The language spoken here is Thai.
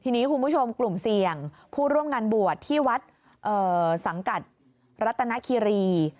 ทีนี้คุณผู้ชมกลุ่มเสี่ยงผู้ร่วมงานบวชที่วัดสังกัดรัตนคิรี